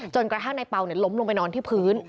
กระทั่งนายเปล่าล้มลงไปนอนที่พื้น